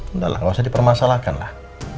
udah lah gak usah dipermasalahkan lah